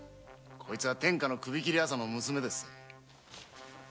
こいつは天下の首切り朝の娘なんですぜ。